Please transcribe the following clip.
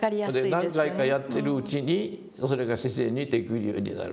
それで何回かやってるうちにそれが自然にできるようになる。